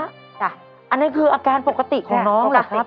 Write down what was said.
อันนี้คืออาการปกติของน้องล่ะครับ